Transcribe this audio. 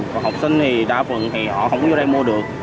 và học sinh thì đa phần thì họ không có vô đây mua được